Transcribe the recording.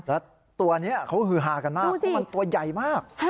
แล้วตัวนี้เขาฮือฮากันมากเพราะมันตัวใหญ่มาก